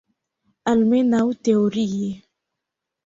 Almenaŭ teorie.